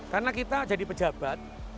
karena kita jadi pejabat